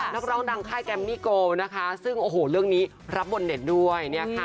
นักร้องดังไข้แก่มนี่โก้ซึ่งเรื่องนี้รับบนเน็ตด้วย